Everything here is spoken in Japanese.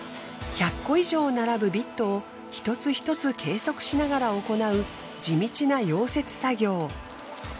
１００個以上並ぶビットを一つ一つ計測しながら行う地道な溶接作業。